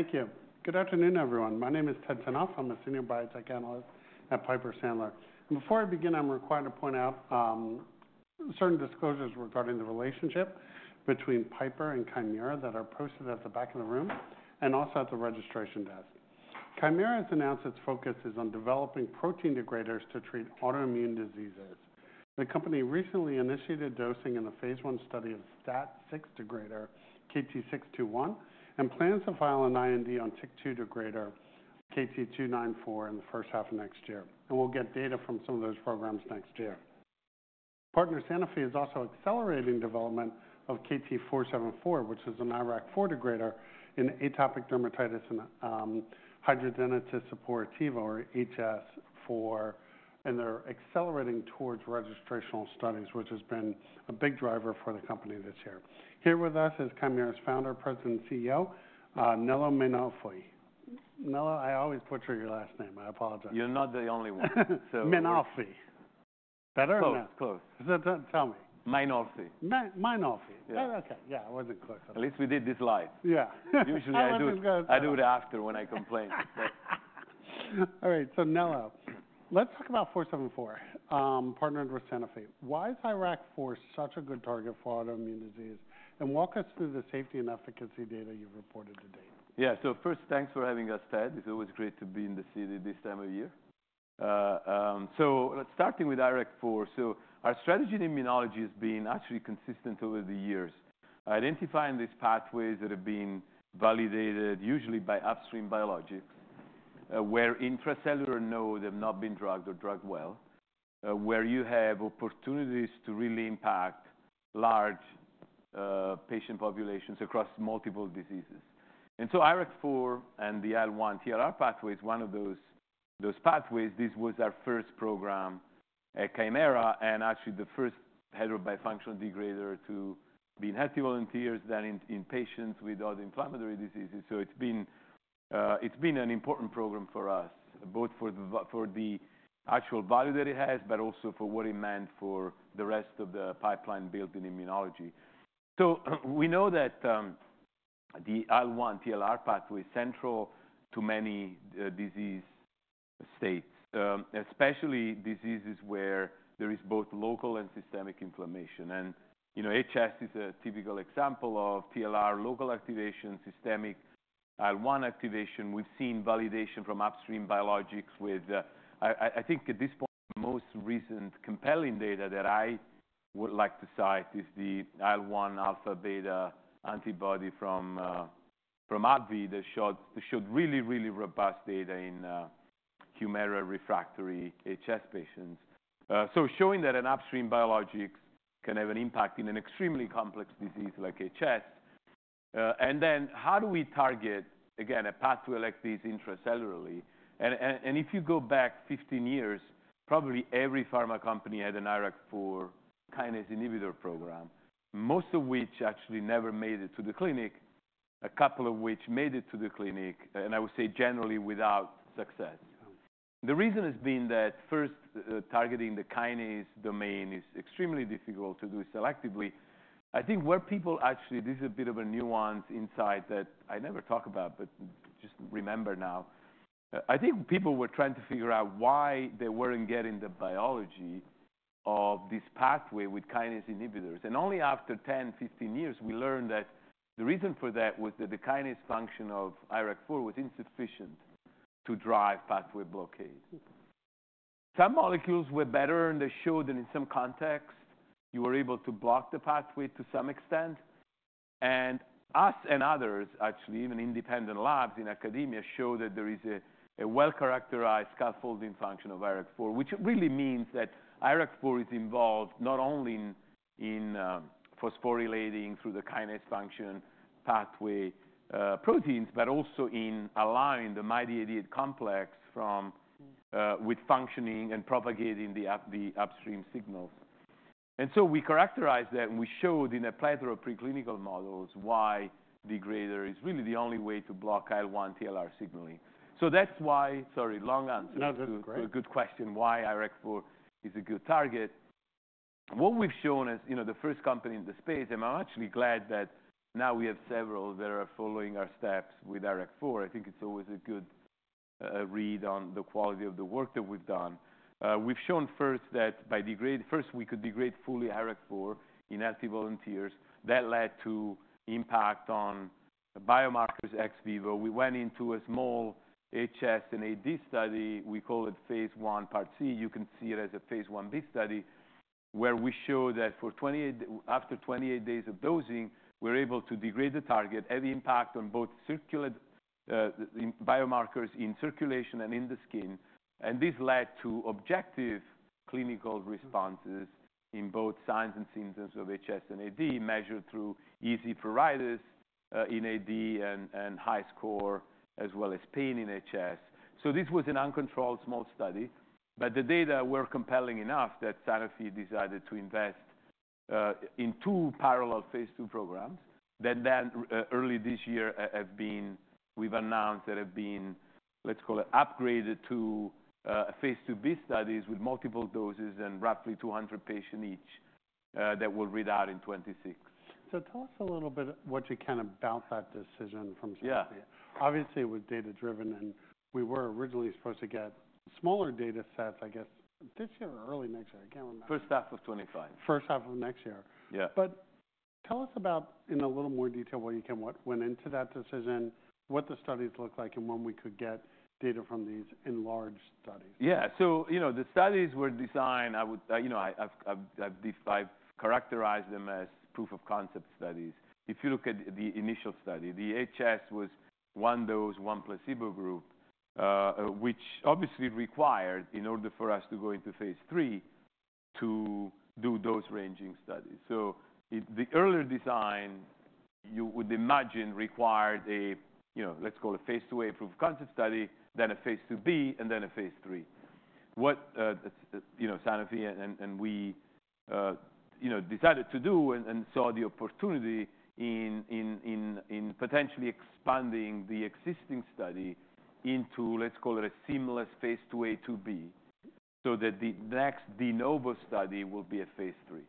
Thank you. Good afternoon, everyone. My name is Ted Tenthoff. I'm a senior biotech analyst at Piper Sandler, and before I begin, I'm required to point out certain disclosures regarding the relationship between Piper and Kymera that are posted at the back of the room and also at the registration desk. Kymera has announced its focus is on developing protein degraders to treat autoimmune diseases. The company recently initiated dosing in the phase I study of STAT6 degrader, KT621, and plans to file an IND on TYK2 degrader, KT294, in the first half of next year, and we'll get data from some of those programs next year. Partner Sanofi is also accelerating development of KT474, which is an IRAK4 degrader in atopic dermatitis and hidradenitis suppurativa, or HS, and they're accelerating towards registrational studies, which has been a big driver for the company this year. Here with us is Kymera's founder, president, and CEO, Nello Mainolfi. Nello, I always butcher your last name. I apologize. You're not the only one, so. Mainolfi. Better or no? Close, close. Tell me. Mainolfi. Mainolfi. Yeah. Okay. Yeah. I wasn't close enough. At least we did this live. Yeah. Usually, I do it after when I complain. All right. So, Nello, let's talk about 474, partnered with Sanofi. Why is IRAK4 such a good target for autoimmune disease? And walk us through the safety and efficacy data you've reported to date. Yeah. So first, thanks for having us, Ted. It's always great to be in the city this time of year. So starting with IRAK4, so our strategy in immunology has been actually consistent over the years, identifying these pathways that have been validated, usually by upstream biologics, where intracellular nodes have not been drugged or drugged well, where you have opportunities to really impact large patient populations across multiple diseases. And so IRAK4 and the IL-1/TLR pathway is one of those, those pathways. This was our first program at Kymera and actually the first heterobifunctional degrader to be in healthy volunteers, then in patients with other inflammatory diseases. So it's been an important program for us, both for the actual value that it has, but also for what it meant for the rest of the pipeline built in immunology. So we know that the IL-1/TLR pathway is central to many disease states, especially diseases where there is both local and systemic inflammation. And you know, HS is a typical example of TLR local activation, systemic IL-1 activation. We've seen validation from upstream biologics with I think at this point, the most recent compelling data that I would like to cite is the IL-1 alpha/beta antibody from AbbVie that showed really robust data in Humira refractory HS patients. So showing that an upstream biologics can have an impact in an extremely complex disease like HS. And then how do we target again a pathway like this intracellularly? If you go back 15 years, probably every pharma company had an IRAK4 kinase inhibitor program, most of which actually never made it to the clinic, a couple of which made it to the clinic, and I would say generally without success. The reason has been that first, targeting the kinase domain is extremely difficult to do selectively. I think where people actually, this is a bit of a nuanced insight that I never talk about, but just remember now, I think people were trying to figure out why they weren't getting the biology of this pathway with kinase inhibitors. Only after 10, 15 years, we learned that the reason for that was that the kinase function of IRAK4 was insufficient to drive pathway blockade. Some molecules were better, and they showed that in some contexts, you were able to block the pathway to some extent. Us and others, actually, even independent labs in academia show that there is a well-characterized scaffolding function of IRAK4, which really means that IRAK4 is involved not only in phosphorylating through the kinase function pathway proteins, but also in allowing the MyD88 complex from, with functioning and propagating the upstream signals. We characterized that, and we showed in a plethora of preclinical models why degrader is really the only way to block IL-1/TLR signaling. That's why, sorry, long answer. No, this is great. A good question why IRAK4 is a good target. What we've shown as, you know, the first company in the space, and I'm actually glad that now we have several that are following our steps with IRAK4. I think it's always a good read on the quality of the work that we've done. We've shown first that by degrading, we could degrade fully IRAK4 in healthy volunteers. That led to impact on biomarkers ex vivo. We went into a small HS and AD study. We call it phase I part C. You can see it as a phase Ib study where we showed that after 28 days of dosing, we're able to degrade the target, have impact on both circulating biomarkers in circulation and in the skin. This led to objective clinical responses in both signs and symptoms of HS and AD measured through EASI pruritus in AD and HiSCR, as well as pain in HS. So this was an uncontrolled small study, but the data were compelling enough that Sanofi decided to invest in two parallel phase II programs. Then that early this year have been. We've announced that have been, let's call it upgraded to phase IIb studies with multiple doses and roughly 200 patients each, that will read out in 2026. So tell us a little bit what you can about that decision from Sanofi. Yeah. Obviously, it was data-driven, and we were originally supposed to get smaller data sets, I guess, this year or early next year. I can't remember. First half of 2025. First half of next year. Yeah. But tell us about, in a little more detail, what went into that decision, what the studies look like, and when we could get data from these enlarged studies. Yeah. So, you know, the studies were designed. I would, you know, I've characterized them as proof of concept studies. If you look at the initial study, the HS was one dose, one placebo group, which obviously required, in order for us to go into phase III, to do dose-ranging studies. So the earlier design, you would imagine, required a, you know, let's call it phase IIA proof of concept study, then a phase IIb, and then a phase III. What, you know, Sanofi and we, you know, decided to do and saw the opportunity in potentially expanding the existing study into, let's call it a seamless phase IIa-phase IIb so that the next de novo study will be a phase III.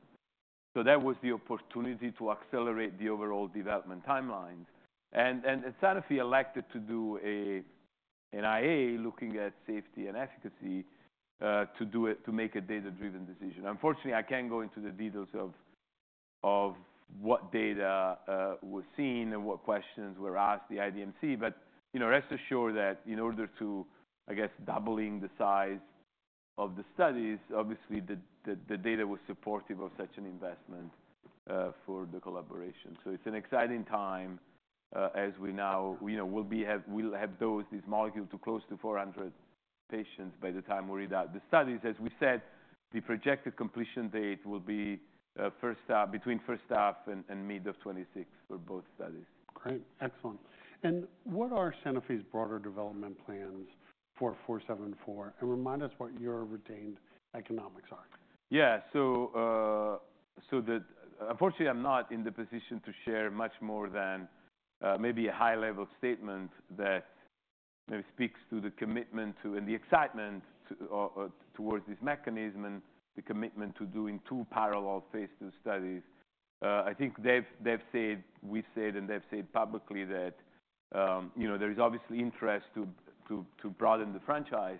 So that was the opportunity to accelerate the overall development timelines. Sanofi elected to do an IA looking at safety and efficacy to make a data-driven decision. Unfortunately, I can't go into the details of what data were seen and what questions were asked the IDMC, but you know, rest assured that in order to, I guess, doubling the size of the studies, obviously the data was supportive of such an investment for the collaboration. It's an exciting time, as we now, you know, we'll have dosed these molecules to close to 400 patients by the time we read out the studies. As we said, the projected completion date will be between first half and mid of 2026 for both studies. Great. Excellent. And what are Sanofi's broader development plans for 474? And remind us what your retained economics are? Yeah. So that, unfortunately, I'm not in the position to share much more than maybe a high-level statement that maybe speaks to the commitment to and the excitement towards this mechanism and the commitment to doing two parallel phase II studies. I think they've said, we've said, and they've said publicly that, you know, there is obviously interest to broaden the franchise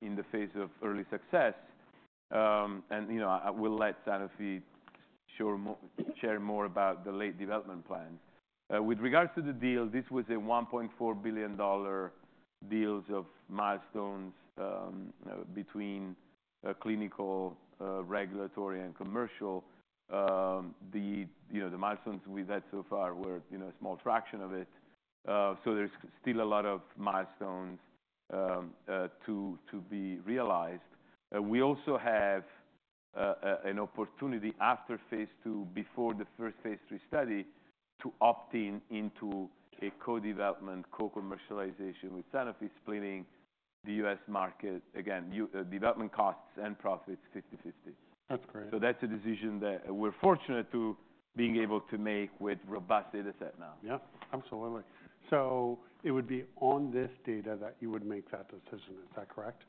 in the face of early success, and you know, I will let Sanofi share more about the late development plans. With regards to the deal, this was a $1.4 billion deal of milestones between clinical, regulatory, and commercial. You know, the milestones we've had so far were, you know, a small fraction of it. So there's still a lot of milestones to be realized. We also have an opportunity after phase II, before the first phase III study, to opt in to a co-development, co-commercialization with Sanofi splitting the U.S. market. Again, development costs and profits 50/50. That's great. So that's a decision that we're fortunate to be able to make with a robust data set now. Yeah. Absolutely. So it would be on this data that you would make that decision. Is that correct?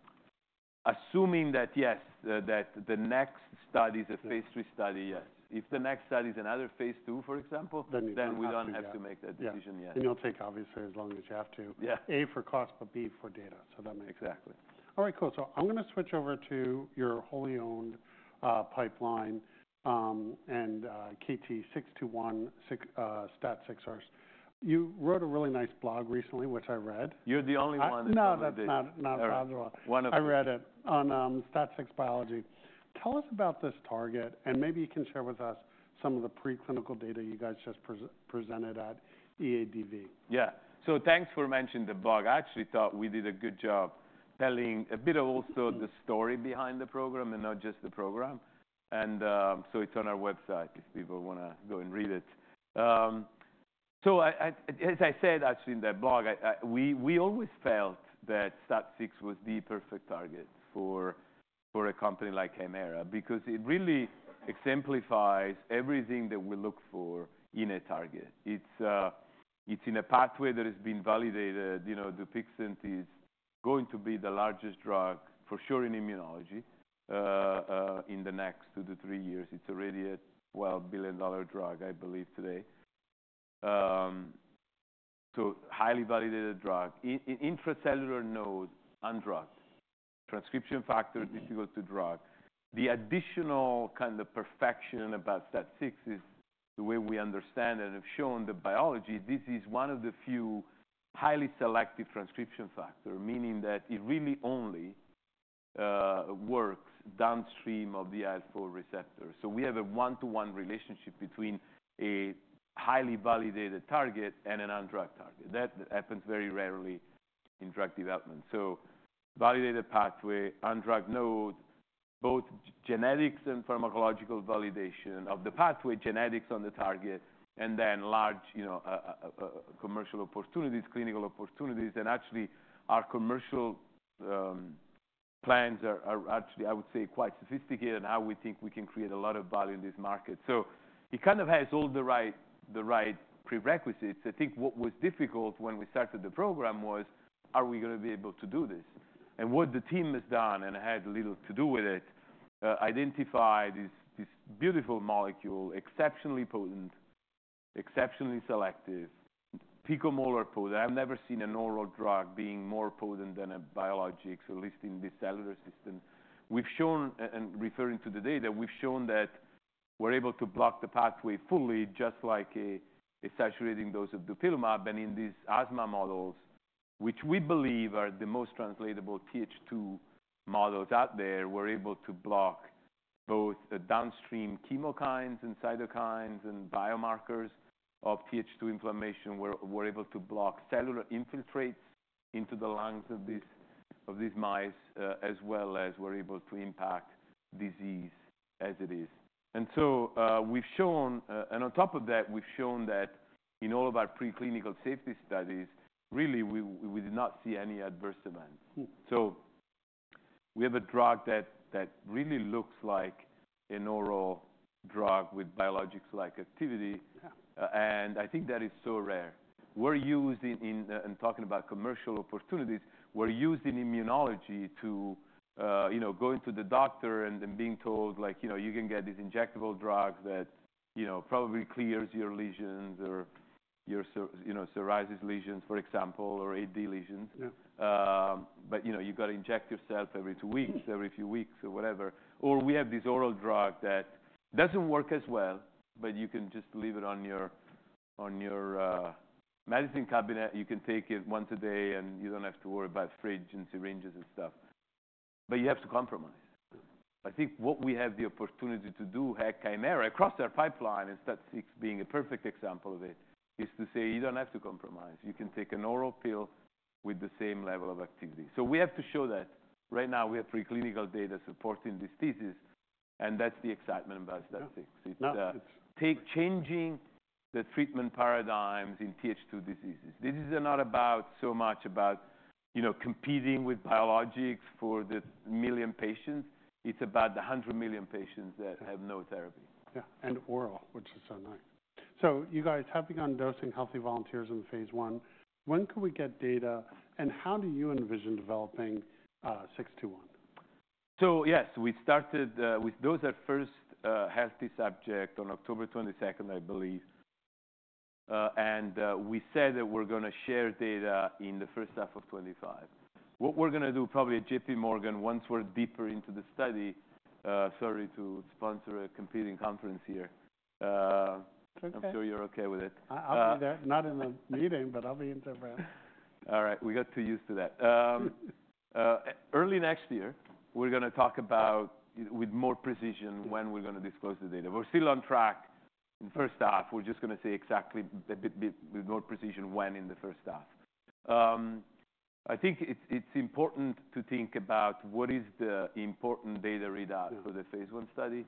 Assuming that, yes, that the next study's a phase III study, yes. If the next study's another phase II, for example. Then you take it. Then we don't have to make that decision yet. You'll take, obviously, as long as you have to. Yeah. A for cost, but B for data. So that makes sense. Exactly. All right. Cool. So I'm gonna switch over to your wholly owned pipeline, and KT621, STAT6 degraders. You wrote a really nice blog recently, which I read. You're the only one that's done that. No, that's not the one. One of them. I read it on STAT6 Biology. Tell us about this target, and maybe you can share with us some of the preclinical data you guys just presented at EADV. Yeah. So thanks for mentioning the blog. I actually thought we did a good job telling a bit of also the story behind the program and not just the program. And so it's on our website if people wanna go and read it. So I, as I said, actually, in that blog, we always felt that STAT6 was the perfect target for a company like Kymera because it really exemplifies everything that we look for in a target. It's in a pathway that has been validated. You know, Dupixent is going to be the largest drug, for sure, in immunology, in the next two to three years. It's already a $12 billion drug, I believe, today. So highly validated drug, intracellular node, undrugged, transcription factor difficult to drug. The additional kind of perfection about STAT6 is the way we understand and have shown the biology. This is one of the few highly selective transcription factor, meaning that it really only works downstream of the IL-4 receptor. So we have a one-to-one relationship between a highly validated target and an undrugged target. That happens very rarely in drug development. So validated pathway, undrugged node, both genetics and pharmacological validation of the pathway, genetics on the target, and then large, you know, commercial opportunities, clinical opportunities. And actually, our commercial plans are actually, I would say, quite sophisticated and how we think we can create a lot of value in this market. So it kind of has all the right, the right prerequisites. I think what was difficult when we started the program was are we gonna be able to do this? What the team has done and had a little to do with it identified is this beautiful molecule, exceptionally potent, exceptionally selective, picomolar potent. I've never seen a novel drug being more potent than a biologic, or at least in the cellular system. We've shown, and referring to the data, we've shown that we're able to block the pathway fully, just like a, a saturating dose of dupilumab. In these asthma models, which we believe are the most translatable Th2 models out there, we're able to block both, downstream chemokines and cytokines and biomarkers of Th2 inflammation. We're, we're able to block cellular infiltrates into the lungs of these, of these mice, as well as we're able to impact disease as it is. We've shown, and on top of that, we've shown that in all of our preclinical safety studies, really, we did not see any adverse events. We have a drug that really looks like a novel drug with biologics-like activity. Yeah. And I think that is so rare. We're used in talking about commercial opportunities. We're used in immunology to, you know, going to the doctor and being told, like, you know, you can get these injectable drugs that, you know, probably clears your lesions or your, you know, psoriasis lesions, for example, or AD lesions. Yeah. but, you know, you gotta inject yourself every two weeks. Yeah. Every few weeks or whatever. Or we have this oral drug that doesn't work as well, but you can just leave it on your medicine cabinet. You can take it once a day, and you don't have to worry about fridge and syringes and stuff. But you have to compromise. I think what we have the opportunity to do at Kymera, across our pipeline, and STAT6 being a perfect example of it, is to say you don't have to compromise. You can take an oral pill with the same level of activity. So we have to show that. Right now, we have preclinical data supporting this thesis, and that's the excitement about STAT6. Yeah. It's, Now, it's. Take changing the treatment paradigms in Th2 diseases. This is not so much about, you know, competing with biologics for the million patients. It's about the 100 million patients that have no therapy. Yeah. And oral, which is so nice. So you guys have begun dosing healthy volunteers in phase I. When can we get data, and how do you envision developing 621? So yes, we started with dose at first healthy subject on October 22nd, I believe, and we said that we're gonna share data in the first half of 2025. What we're gonna do, probably at J.P. Morgan, once we're deeper into the study, sorry to sponsor a competing conference here. It's okay. I'm sure you're okay with it. I'll be there. Not in the meeting, but I'll be in the room. All right. We got too used to that. Early next year, we're gonna talk about, with more precision, when we're gonna disclose the data. We're still on track in first half. We're just gonna say exactly a bit with more precision when in the first half. I think it's important to think about what is the important data readout. Yeah. For the phase I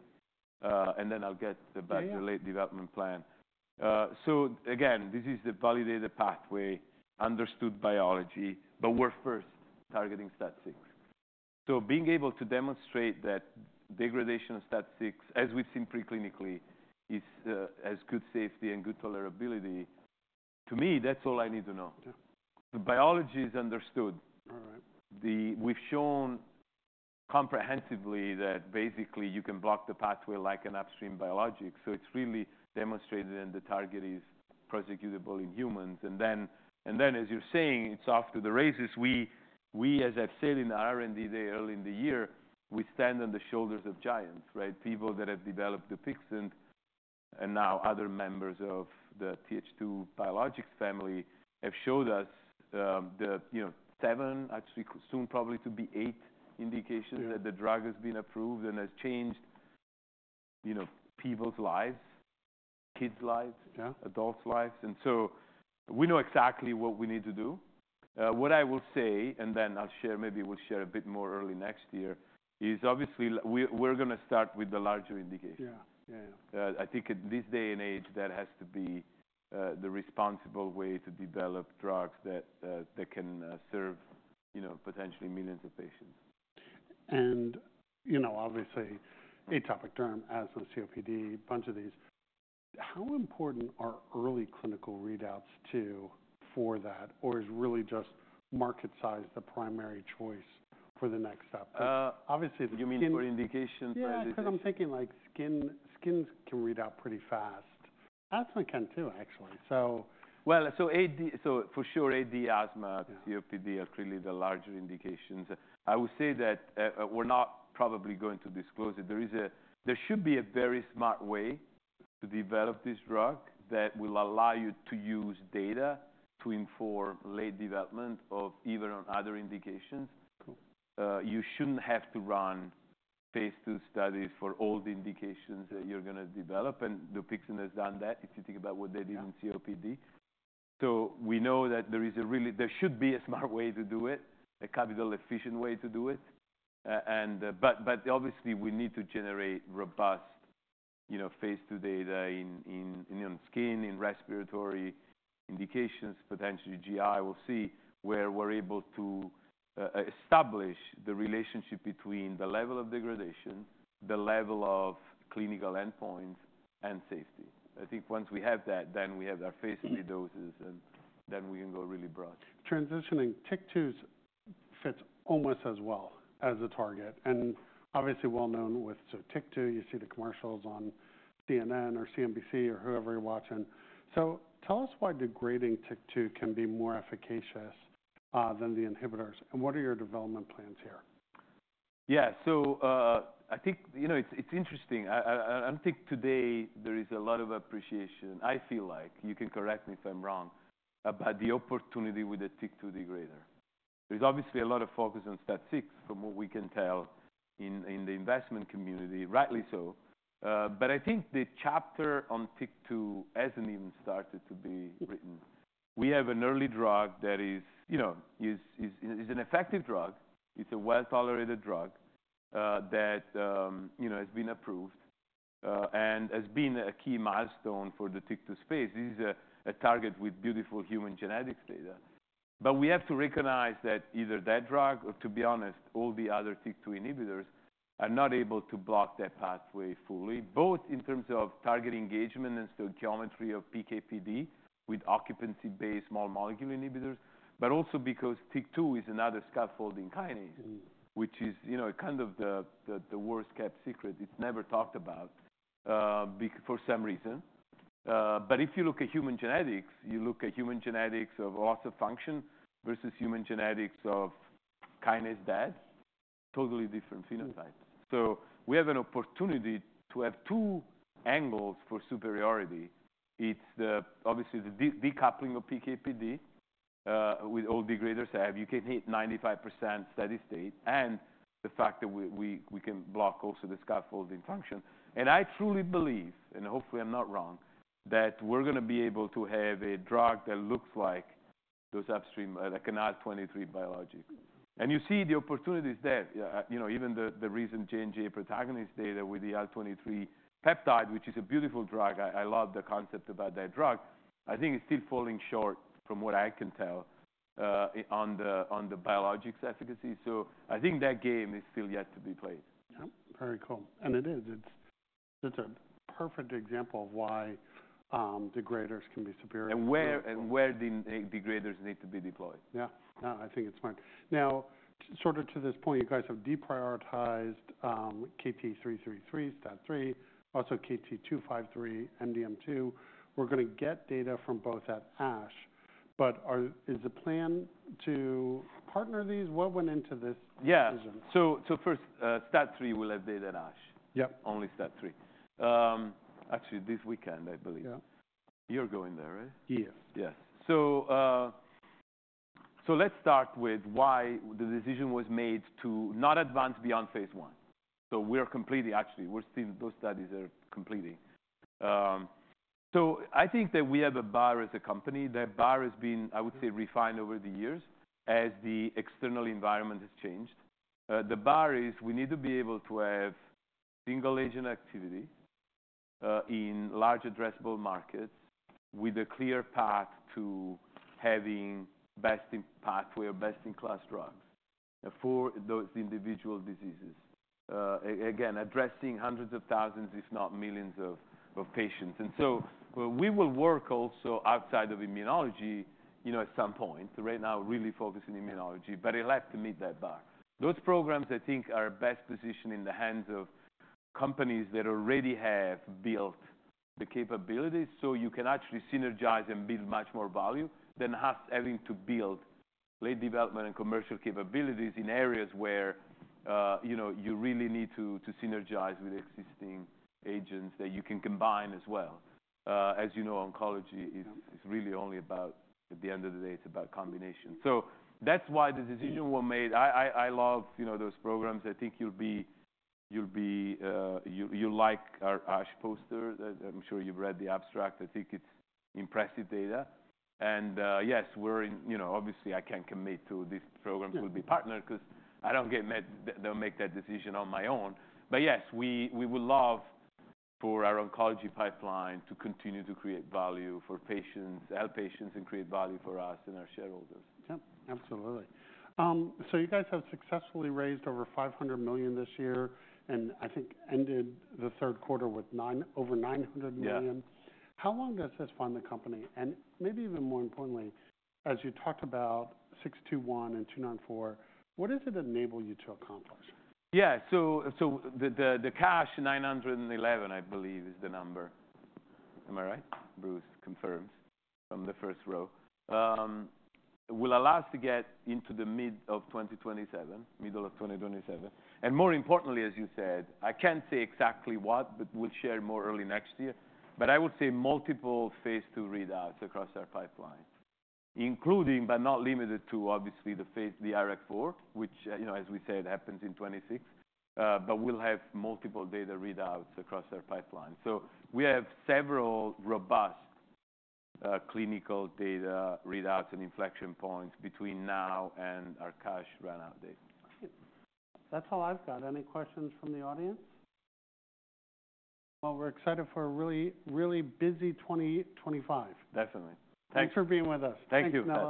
study, and then I'll get about the. Yeah. Late development plan. So again, this is the validated pathway, understood biology, but we're first targeting STAT6. So being able to demonstrate that degradation of STAT6, as we've seen preclinically, is, has good safety and good tolerability, to me, that's all I need to know. Yeah. The biology is understood. All right. We've shown comprehensively that basically you can block the pathway like an upstream biologic. So it's really demonstrated and the target is prosecutable in humans. And then, as you're saying, it's off to the races. We, as I've said in our R&D day early in the year, we stand on the shoulders of giants, right? People that have developed Dupixent and now other members of the Th2 biologics family have showed us, you know, seven, actually soon probably to be eight indications. Mm-hmm. That the drug has been approved and has changed, you know, people's lives, kids' lives. Yeah. Adults' lives. And so we know exactly what we need to do. What I will say, and then I'll share, maybe we'll share a bit more early next year, is obviously we're, we're gonna start with the larger indication. Yeah. Yeah. Yeah. I think at this day and age, that has to be the responsible way to develop drugs that can serve, you know, potentially millions of patients. You know, obviously, atopic derm, asthma, COPD, a bunch of these. How important are early clinical readouts to for that? Or is really just market size the primary choice for the next step? Obviously the skin. You mean for indications. Yeah. Yeah. 'Cause I'm thinking like skin can read out pretty fast. Asthma can too, actually. So. So AD, so for sure, AD, asthma, COPD are clearly the larger indications. I would say that, we're not probably going to disclose it. There should be a very smart way to develop this drug that will allow you to use data to inform late development of even on other indications. Cool. You shouldn't have to run phase II studies for all the indications that you're gonna develop. Dupixent has done that if you think about what they did in COPD. We know that there should be a smart way to do it, a capital-efficient way to do it. But obviously we need to generate robust, you know, phase II data in skin, in respiratory indications, potentially GI. We'll see where we're able to establish the relationship between the level of degradation, the level of clinical endpoints, and safety. I think once we have that, then we have our phase III doses, and then we can go really broad. Transitioning, TYK2 fits almost as well as the target. And obviously well known with, so TYK2, you see the commercials on CNN or CNBC or whoever you're watching. So tell us why degrading TYK2 can be more efficacious than the inhibitors. And what are your development plans here? Yeah. So, I think, you know, it's interesting. I don't think today there is a lot of appreciation. I feel like you can correct me if I'm wrong, about the opportunity with the TYK2 degrader. There's obviously a lot of focus on STAT6 from what we can tell in the investment community, rightly so. But I think the chapter on TYK2 hasn't even started to be written. We have an early drug that, you know, is an effective drug. It's a well-tolerated drug, that, you know, has been approved, and has been a key milestone for the TYK2 space. This is a target with beautiful human genetics data. But we have to recognize that either that drug or, to be honest, all the other TYK2 inhibitors are not able to block that pathway fully, both in terms of target engagement and stoichiometry of PKPD with occupancy-based small molecule inhibitors, but also because TYK2 is another scaffolding kinase. Which is, you know, kind of the worst kept secret. It's never talked about, because for some reason. But if you look at human genetics of loss of function versus human genetics of kinase-dead, totally different phenotypes. Yeah. So we have an opportunity to have two angles for superiority. It's obviously the decoupling of PKPD with all degraders I have. You can hit 95% steady state. And the fact that we can block also the scaffolding function. And I truly believe, and hopefully I'm not wrong, that we're gonna be able to have a drug that looks like those upstream, like an IL-23 biologic. And you see the opportunities there. Yeah, you know, even the recent J&J Protagonist data with the IL-23 peptide, which is a beautiful drug. I love the concept about that drug. I think it's still falling short from what I can tell, on the biologics efficacy. So I think that game is still yet to be played. Yeah. Very cool. And it is. It's a perfect example of why degraders can be superior. And where the degraders need to be deployed. Yeah. Yeah. I think it's smart. Now, sort of to this point, you guys have deprioritized KT333, STAT3, also KT253, MDM2. We're gonna get data from both at ASH, but what is the plan to partner these? What went into this decision? Yeah. So first, STAT3 will have data at ASH. Yep. Only STAT3. Actually, this weekend, I believe. Yeah. You're going there, right? Yes. Yes. So let's start with why the decision was made to not advance beyond phase I. Actually, we're still completing those studies. I think that we have a bar as a company. That bar has been, I would say, refined over the years as the external environment has changed. The bar is we need to be able to have single-agent activity in large addressable markets with a clear path to having best-in-class pathway or best-in-class drugs for those individual diseases. Again, addressing hundreds of thousands, if not millions of patients. We will work also outside of immunology, you know, at some point. Right now, really focusing on immunology, but it'll have to meet that bar. Those programs, I think, are best positioned in the hands of companies that already have built the capabilities so you can actually synergize and build much more value than having to build late development and commercial capabilities in areas where, you know, you really need to synergize with existing agents that you can combine as well as you know, oncology is. Yeah. It's really only about, at the end of the day, it's about combination, so that's why the decision. Yeah. Was made. I love, you know, those programs. I think you'll like our ASH poster. I'm sure you've read the abstract. I think it's impressive data. And yes, we're in, you know, obviously, I can't commit to this program. Yeah. We'll be partnered 'cause I don't get met, that they'll make that decision on my own. But yes, we would love for our oncology pipeline to continue to create value for patients, help patients, and create value for us and our shareholders. Yep. Absolutely. So you guys have successfully raised over $500 million this year and I think ended the third quarter with nine, over $900 million. Yeah. How long does this fund the company? And maybe even more importantly, as you talked about 621 and 294, what does it enable you to accomplish? Yeah. So the cash $911 million, I believe, is the number. Am I right? Bruce confirms from the first row. It will allow us to get into the mid of 2027, middle of 2027. And more importantly, as you said, I can't say exactly what, but we'll share more early next year. I would say multiple phase II readouts across our pipeline, including, but not limited to, obviously, the IRAK4, which, you know, as we said, happens in 2026. We'll have multiple data readouts across our pipeline. We have several robust clinical data readouts and inflection points between now and our cash run-out date. That's all I've got. Any questions from the audience? We're excited for a really, really busy 2025. Definitely. Thanks. Thanks for being with us. Thank you. Thanks.